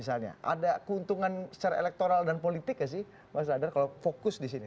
ada keuntungan secara elektoral dan politik ya sih pak sradar kalau fokus di sini